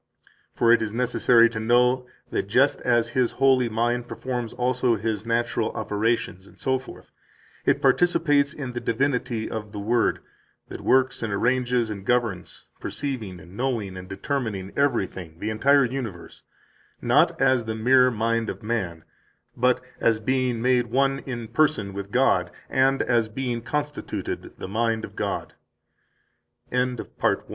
For it is necessary to know that just as His holy mind performs also His natural operations, etc., it participates in the divinity of the Word, that works and arranges and governs, perceiving and knowing and determining everything [the entire universe], not as the mere mind of man, but as being made one in person with God, and as being constitu